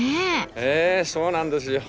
ええそうなんですよ。